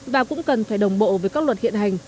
và cũng cần phải đồng bộ với các luật hiện hành